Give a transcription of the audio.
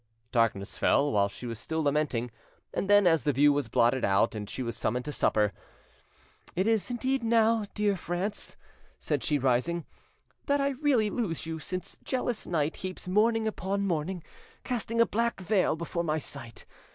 Darkness fell while she was still lamenting; and then, as the view was blotted out and she was summoned to supper, "It is indeed now, dear France," said she, rising, "that I really lose you, since jealous night heaps mourning upon mourning, casting a black veil before my sight.